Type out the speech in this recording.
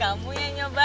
ada gusta juga